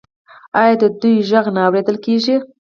آیا د دوی غږ نه اوریدل کیږي؟